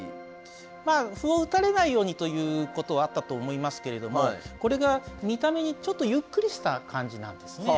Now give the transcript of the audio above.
まあ歩を打たれないようにということはあったと思いますけれどもこれが見た目にちょっとゆっくりした感じなんですね。